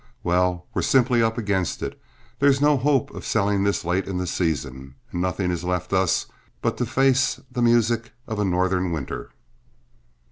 Well, we're simply up against it; there's no hope of selling this late in the season, and nothing is left us but to face the music of a Northern winter."